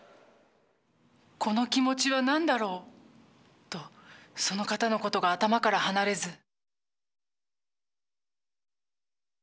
「この気持ちは何だろう？」とその方のことが頭から離れず。